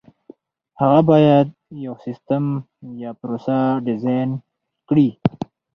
هغه باید یو سیسټم یا پروسه ډیزاین کړي.